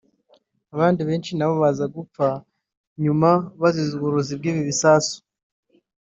abandi benshi na bo baza gupfa nyuma bazize uburozi bw’ibi bisasu